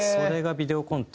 ビデオコンテ。